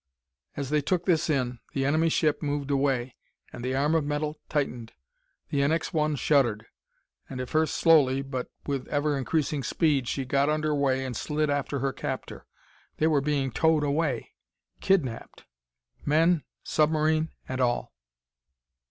As they took this in, the enemy ship moved away and the arm of metal tightened. The NX 1 shuddered. And, at first slowly, but with ever increasing speed, she got under way and slid after her captor. They were being towed away. Kidnaped! Men, submarine and all!